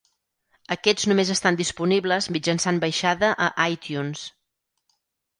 Aquests només estan disponibles mitjançant baixada a iTunes.